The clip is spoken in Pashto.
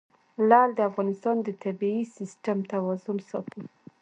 لعل د افغانستان د طبعي سیسټم توازن ساتي.